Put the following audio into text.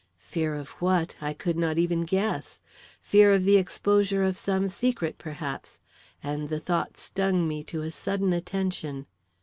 Fear of what? I could not even guess. Fear of the exposure of some secret, perhaps and the thought stung me to a sudden attention.